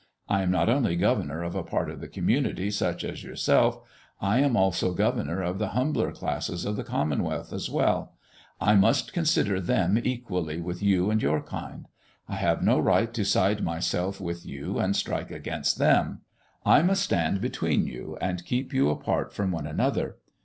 I am not only governor of a part of the community such as yourself; I am also governor of the humbler classes of the commonwealth as well. I must consider them equally with you and your kind. I have no right to side myself with you and strike against them. I must stand between you and keep you apart from one another.